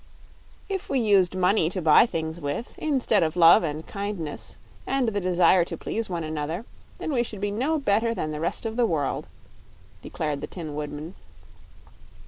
"If we used money to buy things with, instead of love and kindness and the desire to please one another, then we should be no better than the rest of the world," declared the Tin Woodman.